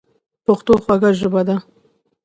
پښتو خوږه ژبه ده